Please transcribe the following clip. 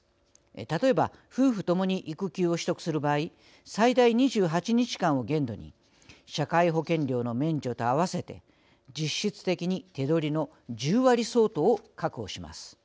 例えば、夫婦共に育休を取得する場合最大２８日間を限度に社会保険料の免除と合わせて実質的に手取りの１０割相当を確保します。